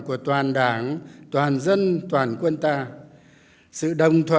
sự đoàn kết thống của toàn đảng toàn dân toàn quân ta